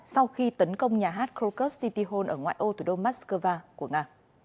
sau khi tấn công nhà hát crocus city hall ở ngoại ô thủ đô moscow của nga